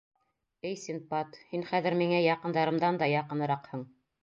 — Эй Синдбад, һин хәҙер миңә яҡындарымдан да яҡыныраҡһың.